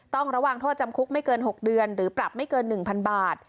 ต้องระวังโทษจำคุกไม่เกิน๖เดือนหรือปรับไม่เกิน๑๐๐๐บาท